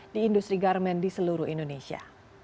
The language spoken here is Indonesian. di industri garmen di seluruh indonesia